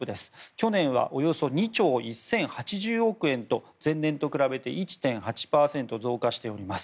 去年はおよそ２兆１０８０億円と前年と比べて１．８％増加しています。